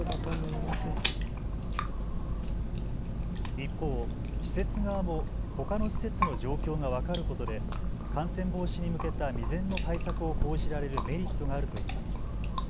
一方、施設側もほかの施設の状況が分かることで感染防止に向けた未然の対策を講じられるメリットがあるといいます。